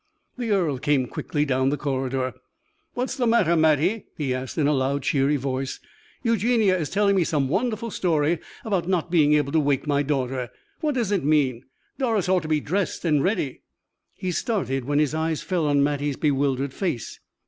The earl came quickly down the corridor. "What is the matter, Mattie?" he asked, in a loud, cheery voice. "Eugenie is telling me some wonderful story about not being able to wake my daughter. What does it mean? Doris ought to be dressed and ready." He started when his eyes fell on Mattie's bewildered face.